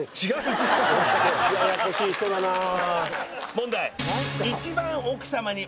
問題。